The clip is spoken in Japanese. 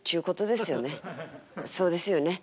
そうですよね。